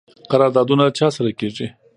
قراردادونه چا سره کیږي؟